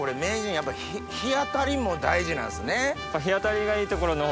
やっぱり日当たりも大事なんですね？